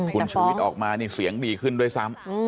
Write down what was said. คุณชูวิทย์ออกมานี่เสียงดีขึ้นด้วยซ้ำ